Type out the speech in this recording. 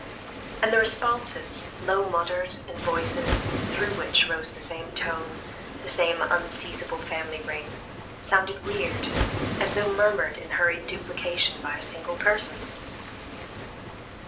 And the responses, low muttered, in voices through which rose the same tone, the same unseizable family ring, sounded weird, as though murmured in hurried duplication by a single person.